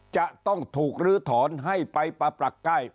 จะต้องถูกลื้อถอนให้ไปปะปรักใกล้